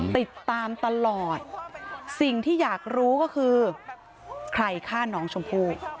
ติดตามตลอดสิ่งที่อยากรู้ก็คือใครฆ่าน้องชมพู่